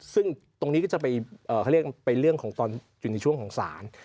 ซึ่งตรงนี้ก็จะไปคือเลือกไปเรื่องอยู่ในช่วงของสาร